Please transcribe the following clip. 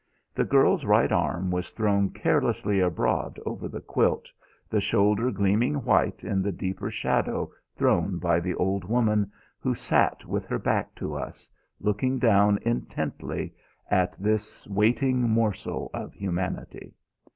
The girl's right arm was thrown carelessly abroad over the quilt, the shoulder gleaming white in the deeper shadow thrown by the old woman who sat with her back to us, looking down intently at this waiting morsel of humanity.